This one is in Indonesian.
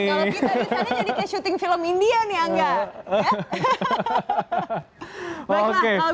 kalau begitu tadi sana jadi kayak syuting film india nih angga